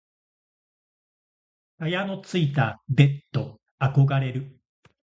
蚊帳のついたベット憧れる。